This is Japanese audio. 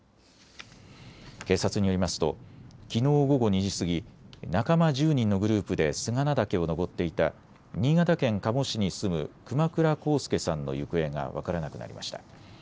警察によりますときのう午後２時過ぎ仲間１０人のグループで菅名岳を登っていた新潟県加茂市に住む熊倉浩介さんの行方が分からなくなりました。